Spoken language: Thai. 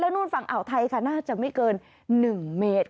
แล้วนู่นฝั่งอ่าวไทยค่ะน่าจะไม่เกินหนึ่งเมตร